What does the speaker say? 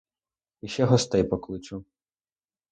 І ще гостей покличу.